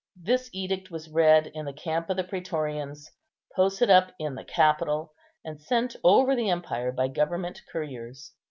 This edict was read in the camp of the prætorians, posted up in the Capitol, and sent over the empire by government couriers.